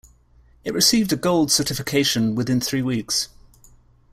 It received a Gold certification within three weeks.